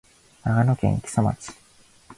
長野県木曽町